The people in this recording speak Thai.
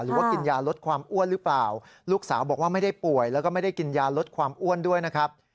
หรือว่ากินยาลดความอ้วนหรือเปล่าลูกสาวบอกว่าไม่ได้ป่วยแล้วก็ไม่ได้กินยาลดความอ้วนด้วยนะครับ